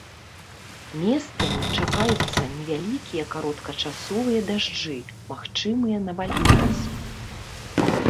Месцамі чакаюцца невялікія кароткачасовыя дажджы, магчымыя навальніцы.